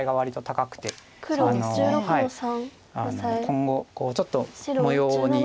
今後ちょっと模様に。